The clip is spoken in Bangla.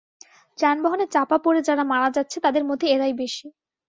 যানবাহনে চাপা পড়ে যারা মারা যাচ্ছে, তাদের মধ্যে এরাই বেশি।